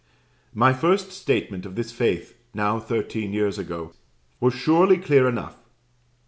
My first statement of this faith, now thirteen years ago, was surely clear enough.